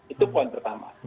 itu poin pertama